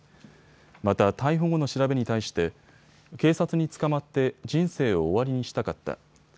また逮捕後の調べに対して警察に捕まって人生を終わりにしたかった。